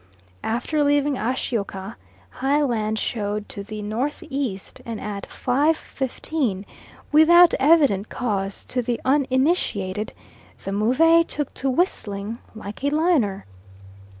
After leaving Ashchyouka, high land showed to the N.E., and at 5.15, without evident cause to the uninitiated, the Move took to whistling like a liner.